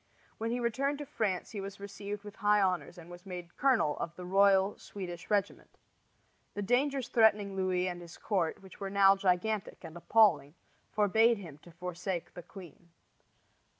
When he returned to France he was received with high honors and was made colonel of the royal Swedish regiment. The dangers threatening Louis and his court, which were now gigantic and appalling, forbade him to forsake the queen.